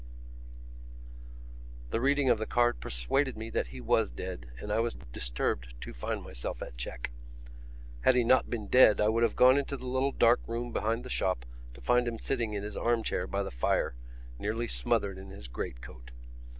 P._ The reading of the card persuaded me that he was dead and I was disturbed to find myself at check. Had he not been dead I would have gone into the little dark room behind the shop to find him sitting in his arm chair by the fire, nearly smothered in his great coat.